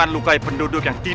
itu kasus peluangmu